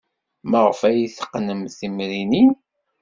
Maɣef ay tteqqnent timrinin?